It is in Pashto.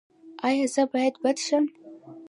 ایا زه باید بد شم؟